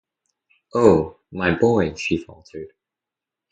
“Oh — my boy!” she faltered.